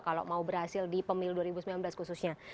kalau mau berhasil di pemilu dua ribu sembilan belas khususnya